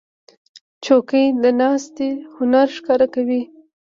چوکۍ د ناستې هنر ښکاره کوي.